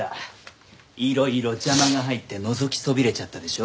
いろいろ邪魔が入ってのぞきそびれちゃったでしょ。